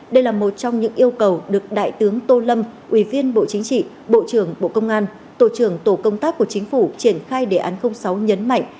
đây là một trong những yêu cầu được đại tướng tô lâm ủy viên bộ chính trị bộ trưởng bộ công an tổ trưởng tổ công tác của chính phủ triển khai đề án sáu nhấn mạnh